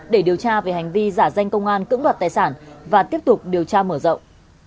để điều tra về hành vi giả danh công an cưỡng đoạt tài sản và tiếp tục điều tra mở rộng